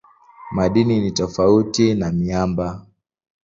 Madini ni tofauti na miamba.